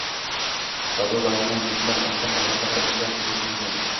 Va bu loyiham yuzdandan ortiq davlatlar ichidan qabul qilingan.